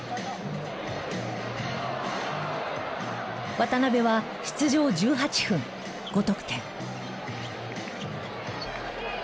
渡邊は出場１８分５得点。